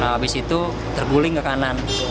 nah abis itu terguling ke kanan